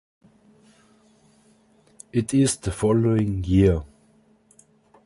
It is the following year.